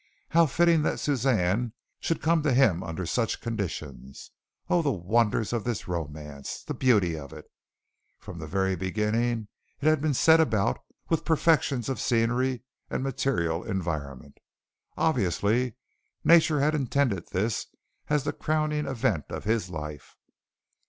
How fitting that Suzanne should come to him under such conditions! Oh, the wonder of this romance the beauty of it! From the very beginning it had been set about with perfections of scenery and material environment. Obviously, nature had intended this as the crowning event of his life.